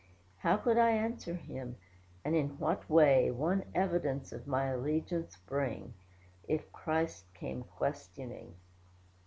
How could I answer Him; and in what way One evidence of my allegiance bring; If Christ came questioning.